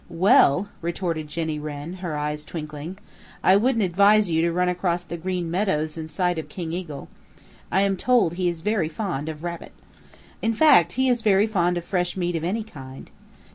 "Well," retorted Jenny Wren, her eyes twinkling, "I wouldn't advise you to run across the Green Meadows in sight of King Eagle. I am told he is very fond of Rabbit. In fact he is very fond of fresh meat of any kind.